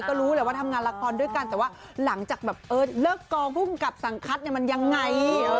ก็รู้เลยว่าทำงานละครด้วยกันแต่ว่าหลังจากเลิกกองผู้กำกับสังคัตมันยังไง